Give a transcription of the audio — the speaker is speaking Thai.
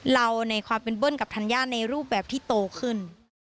เราในเป็นเบิ้ลกับธัณยาในรูปแบบที่โตขึ้น